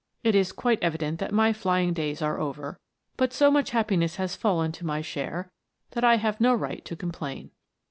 It is quite evident that my flying days are over, but so much happiness has fallen to my share, that I have no right to complain."